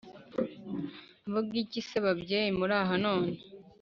mvuge iki se babyeyi muraha none